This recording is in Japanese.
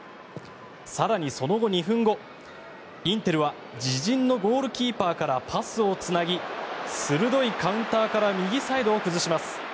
更にその後２分後、インテルは自陣のゴールキーパーからパスをつなぎ鋭いカウンターから右サイドを崩します。